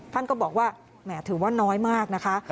ท่านก็บอกว่าแหมถือว่าน้อยมากนะคะ